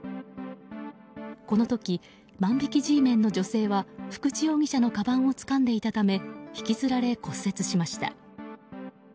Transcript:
この時、万引きＧメンの女性は福地容疑者のかばんをつかんでいたため引きずられ、骨折しました。